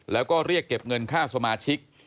แล้วก็เรียกเก็บเงินค่าสมาชิก